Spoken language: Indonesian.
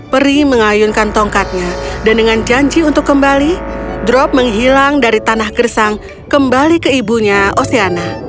peri mengayunkan tongkatnya dan dengan janji untuk kembali drop menghilang dari tanah gersang kembali ke ibunya oceana